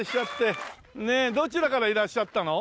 どちらからいらっしゃったの？